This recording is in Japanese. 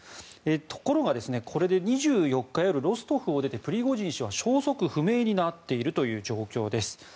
ところが、これで２４日夜ロストフを出てプリゴジン氏は消息不明になっているという状況です。